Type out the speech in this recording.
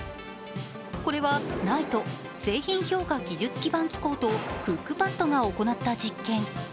これはＮＩＴＥ＝製品評価技術基盤機構とクックパッドが行った実験。